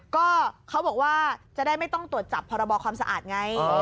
ก็เขาบอกว่าจะได้ไม่ต้องตรวจจับพรบความสะอาดไง